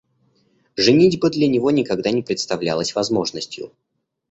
Женитьба для него никогда не представлялась возможностью.